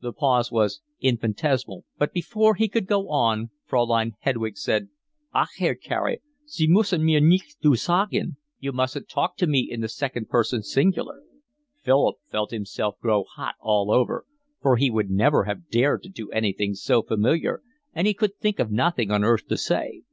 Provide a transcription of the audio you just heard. The pause was infinitesimal, but before he could go on Fraulein Hedwig said: "Ach, Herr Carey, Sie mussen mir nicht du sagen—you mustn't talk to me in the second person singular." Philip felt himself grow hot all over, for he would never have dared to do anything so familiar, and he could think of nothing on earth to say.